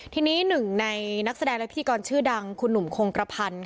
ทีนี้หนึ่งในนักแสดงและพิธีกรชื่อดังคุณหนุ่มคงกระพันธ์